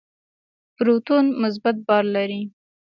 پروتون مثبت بار لري.